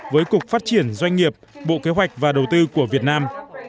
với cục phát triển doanh nghiệp bộ kế hoạch và đầu tư của việt nam